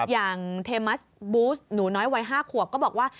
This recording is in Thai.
อย่างเทมัสบูสหนูน้อยวัย๕ขวบก็บอกว่า